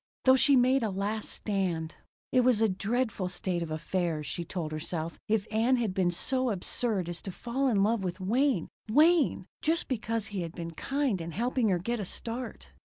Though she made a last stand. It was a dreadful state of affairs, she told herself, if Ann had been so absurd as to fall in love with Wayne Wayne just because he had been kind in helping her get a start.